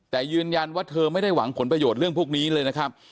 แต่ยืนยันว่าเธอไม่ได้หวังผลประโยชน์เรื่องพวกนี้เลยนะครับ